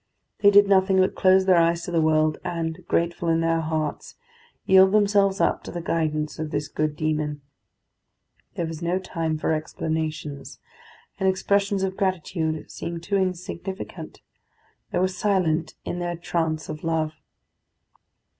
They did nothing but close their eyes to the world, and grateful in their hearts yield themselves up to the guidance of this good demon. There was no time for explanations, and expressions of gratitude seemed too insignificant. They were silent in their trance of love.